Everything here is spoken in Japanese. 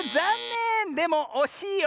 でもおしいよ。